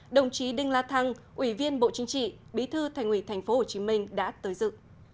đồng chí đinh la thăng ủy viên bộ chính trị bí thư thành ủy tp hcm đã tới dự